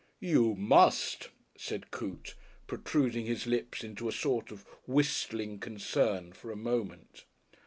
"You must," said Coote, protruding his lips into a sort of whistling concern for a moment.